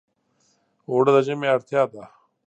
اوړه د ژمي اړتیا ده